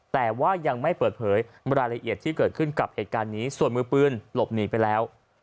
แต่ว่ายังไม่เปิดเผยรายละเอียดที่เกิดขึ้นกับเหตุการณ์นี้ส่วนมือปืนหลบหนีไปแล้ว